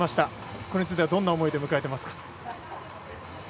これについてはどんな思いで迎えてますか？